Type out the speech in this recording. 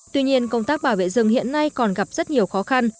tuy nhiên công tác bảo vệ rừng hiện nay còn gặp rất nhiều khó khăn